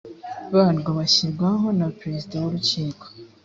barwo bashyirwaho na perezida w urukiko